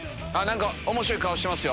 面白い顔してますよ